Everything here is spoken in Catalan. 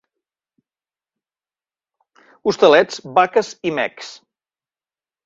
Hostalets, vaques i mecs.